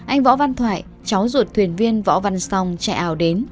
anh võ văn thoại cháu ruột thuyền viên võ văn song chạy ảo đến